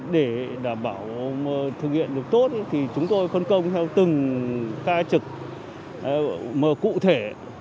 để đảm bảo thực hiện được tốt thì chúng tôi phân công theo từng ca trực cụ thể